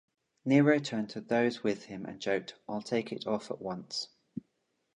Nero turned to those with him and joked, I'll take it off at once.